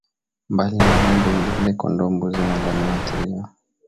Mbali na ng'ombe vilevile kondoo mbuzi na ngamia huathiriwa